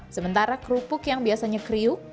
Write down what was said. sementara kerupuk yang biasanya kriuk